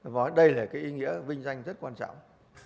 và đây là cái ý nghĩa vinh danh rất quan trọng